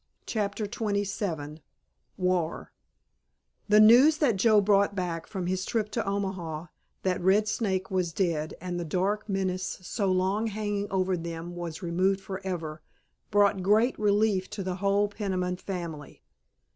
*CHAPTER XXVII* *WAR* The news that Joe brought back from his trip to Omaha that Red Snake was dead and the dark menace so long hanging over them was removed forever, brought great relief to the whole Peniman family.